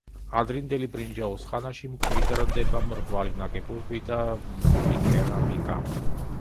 ადრინდელი ბრინჯაოს ხანაში მკვიდრდება მრგვალი ნაგებობები და მუქი კერამიკა.